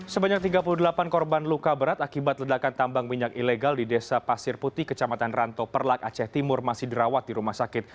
sebanyak tiga puluh delapan korban luka berat akibat ledakan tambang minyak ilegal di desa pasir putih kecamatan ranto perlak aceh timur masih dirawat di rumah sakit